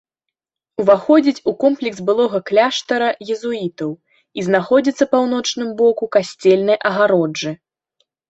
Уваходзіць у комплекс былога кляштара езуітаў і знаходзіцца паўночным боку касцельнай агароджы.